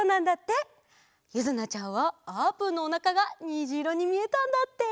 ゆずなちゃんはあーぷんのおなかがにじいろにみえたんだって。